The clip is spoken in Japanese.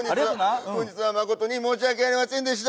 本日は誠に申し訳ありませんでした。